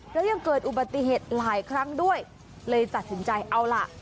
แล้วยังเกิดอุบัติเหตุหลายครั้งด้วยเลยตัดสินใจเอาล่ะ